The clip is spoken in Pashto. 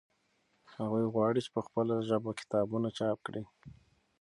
هغوی غواړي چې په خپله ژبه کتابونه چاپ کړي.